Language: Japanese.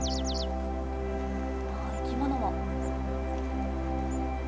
生き物も。